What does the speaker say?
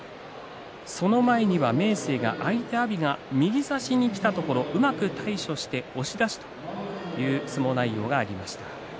その前に明生が右差しにきたところをうまく対処して押し出しという相撲内容がありました。